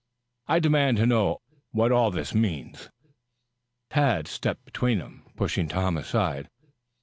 "I demand to know what all this means?" Tad stepped between them, pushing Tom aside.